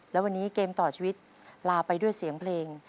และวันนี้เกมต่อชีวิตลาไปด้วยเสียงเพลง